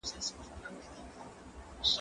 زه له سهاره مځکي ته ګورم!؟